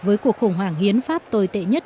với cuộc khủng hoảng hiến pháp tồi tệ nhất